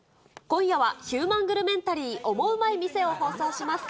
今夜は、ヒューマングルメンタリーオモウマい店を放送します。